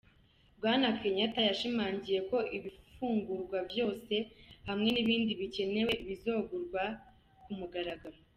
Bwana Kenyatta yashimangiye ko ibifungurwa vyose hamwe n'ibindi bikenewe bizogurwa ku mugaragaro.